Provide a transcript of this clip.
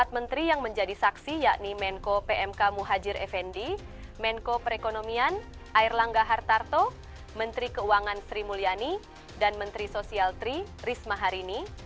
empat menteri yang menjadi saksi yakni menko pmk muhajir effendi menko perekonomian air langga hartarto menteri keuangan sri mulyani dan menteri sosial tri risma hari ini